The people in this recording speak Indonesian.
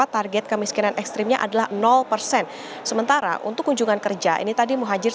target kemiskinan ekstrimnya adalah persen sementara untuk kunjungan kerja ini tadi muhajir